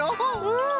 うん！